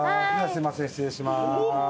すいません失礼します。